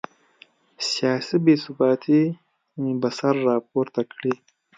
سیاسي بې ثباتي به سر راپورته کړي.